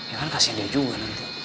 ya kan kasih dia juga nanti